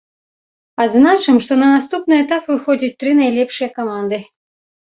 Адзначым, што на наступны этап выходзяць тры найлепшыя каманды.